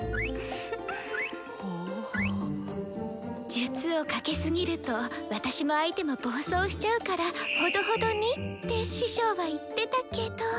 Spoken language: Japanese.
「術をかけすぎると私も相手も暴走しちゃうからほどほどに！」って師匠は言ってたけど。